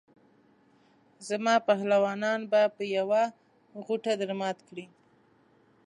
زما پهلوانان به په یوه غوټه درمات کړي.